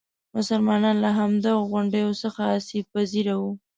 مسلمانان له همدې غونډیو څخه آسیب پذیره وو.